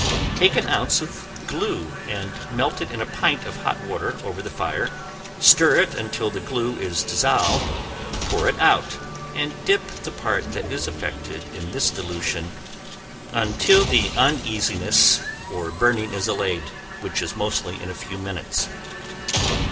Take an ounce of glue, and melt it in a pint of hot water over the fire, stir it until the glue is dissolved, pour it out and dip the part that is affected in this dilution until the uneasiness or burning is allayed, which is mostly in a few minutes.